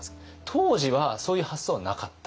当時はそういう発想はなかった？